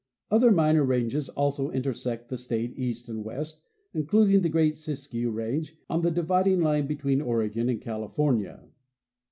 Other minor ranges also intersect the state east and west, including the great Siskiyou range on the dividing line between Oregon and California.